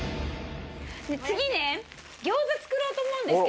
次ね餃子作ろうと思うんですけど。